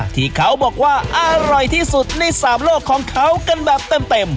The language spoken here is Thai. ที่เขาบอกว่าอร่อยที่สุดในสามโลกของเขากันแบบเต็ม